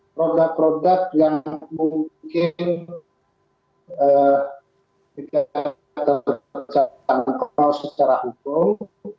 produk produk yang mungkin tidak terjangkau secara hukum